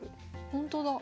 ほんとだ。